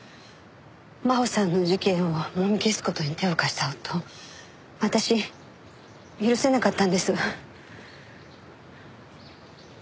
真穂さんの事件をもみ消す事に手を貸した夫を私許せなかったんです。